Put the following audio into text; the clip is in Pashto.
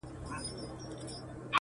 • زه لرمه کاسې ډکي د همت او قناعته..